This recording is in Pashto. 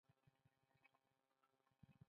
ژبه د فکر بیانولو آزادي ده